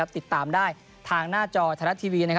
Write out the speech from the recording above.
ติดตามได้ทางหน้าจ่อธนาทีวี